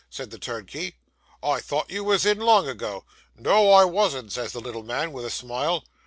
says the turnkey, "I thought you wos in, long ago." "No, I wasn't," says the little man, with a smile.